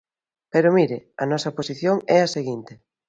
Pero, mire, a nosa posición é a seguinte.